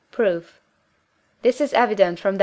Proof. This is evident from Def.